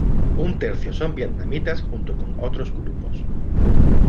Un tercio son vietnamitas junto con otros grupos.